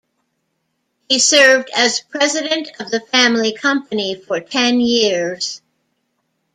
He served as president of the family company for ten years.